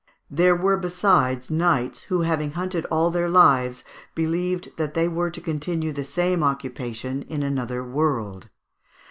There were besides knights who, having hunted all their lives, believed that they were to continue the same occupation in another world.